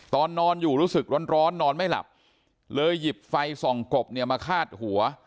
ตอนนอนอยู่รู้สึกร้อนนอนไม่หลับเลยหยิบไฟส่องกบเนี่ยมาคาดหัว